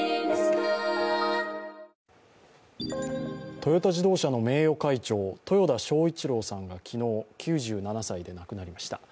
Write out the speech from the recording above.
トヨタ自動車の名誉会長豊田章一郎さんが昨日、９７歳で亡くなりました。